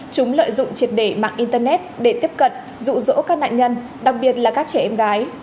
chúng lợi dụng triệt để mạng internet để tiếp cận rụ rỗ các nạn nhân đặc biệt là các trẻ em gái